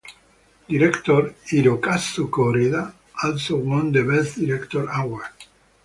Director Hirokazu Koreeda also won the "Best Director" award.